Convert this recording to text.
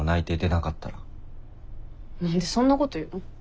何でそんなこと言うの？